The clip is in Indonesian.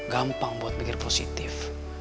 gampang buat mikir positif